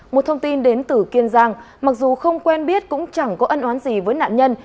một thông tin đến từ kiên giang mặc dù không quen biết cũng chẳng có ân oán gì với nạn nhân